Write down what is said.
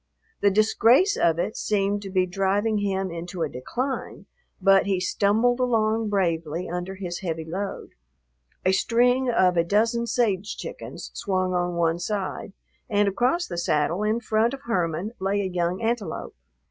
The disgrace of it seemed to be driving him into a decline, but he stumbled along bravely under his heavy load. A string of a dozen sage chickens swung on one side, and across the saddle in front of Herman lay a young antelope.